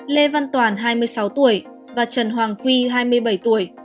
lê văn toàn hai mươi sáu tuổi và trần hoàng quy hai mươi bảy tuổi